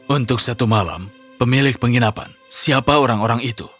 untuk satu malam pemilik penginapan siapa orang orang itu